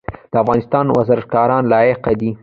د افغانستان ورزشکاران لایق دي